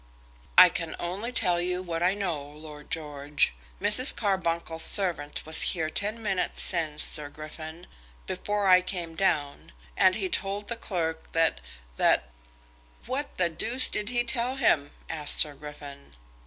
"I can only tell you what I know, Lord George. Mrs. Carbuncle's servant was here ten minutes since, Sir Griffin, before I came down, and he told the clerk that that " "What the d did he tell him?" asked Sir Griffin.